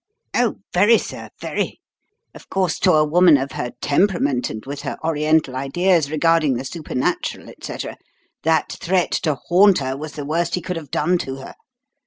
"Oh, very, sir, very. Of course, to a woman of her temperament and with her Oriental ideas regarding the supernatural, et cetera, that threat to haunt her was the worst he could have done to her.